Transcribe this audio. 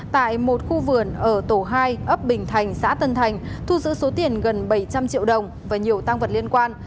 tại một khu vườn ở tổ hai ấp bình thành xã tân thành thu giữ số tiền gần bảy trăm linh triệu đồng và nhiều tăng vật liên quan